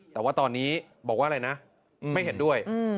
แต่ว่าตอนนี้บอกว่าอะไรนะไม่เห็นด้วย